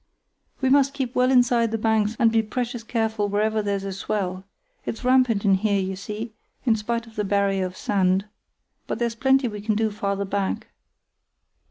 "We must keep well inside the banks and be precious careful wherever there's a swell. It's rampant in here, you see, in spite of the barrier of sand. But there's plenty we can do farther back."